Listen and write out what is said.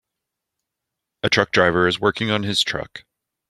A truckdriver is working on his truck.